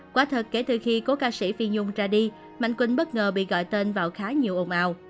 quả thật kể từ khi có ca sĩ phi nhung ra đi mạnh quỳnh bất ngờ bị gọi tên vào khá nhiều ồn ào